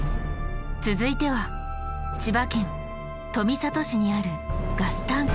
続いては千葉県富里市にあるガスタンク。